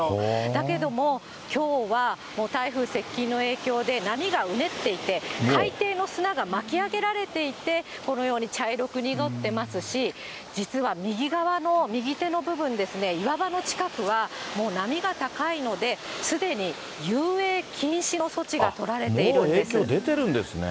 だけども、きょうは、もう台風接近の影響で波がうねっていて、海底の砂がまき上げられていて、このように茶色く濁ってますし、実は右側の、右手の部分ですね、岩場の近くはもう波が高いので、すでに遊泳禁止の措置が取られているんです。